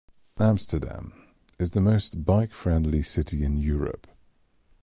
Amsterdam is the most bike-friendly city in Europe.